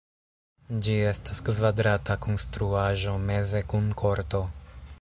Ĝi estas kvadrata konstruaĵo meze kun korto.